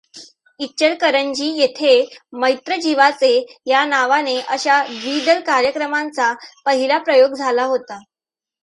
इचलकरंजी येथे मैत्र जीवाचे या नावाने अशा द्विदल कार्यक्रमांचा पहिला प्रयोग झाला होता.